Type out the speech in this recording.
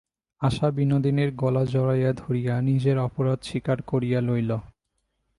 আশা বিনোদিনীর গলা জড়াইয়া ধরিয়া নিজের অপরাধ স্বীকার করিয়া লইল।